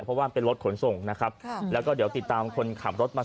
ผมว่าเป็นรถขนส่งนะครับแล้วก็เดี๋ยวกินตามคนขับรถมา